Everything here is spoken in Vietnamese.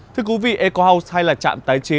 thưa quý vị eco house hay là trạm tái chế